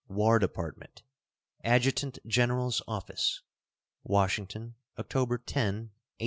WAR DEPARTMENT, ADJUTANT GENERAL'S OFFICE, Washington, October 10, 1873.